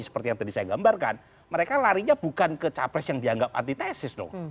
seperti yang tadi saya gambarkan mereka larinya bukan ke capres yang dianggap antitesis dong